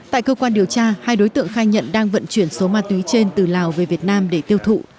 tại cơ quan điều tra hai đối tượng khai nhận đang vận chuyển số ma túy trên từ lào về việt nam để tiêu thụ